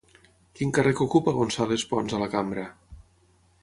Quin càrrec ocupa González Pons a la cambra?